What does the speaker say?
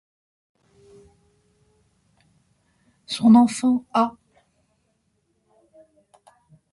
Son enfant, ah!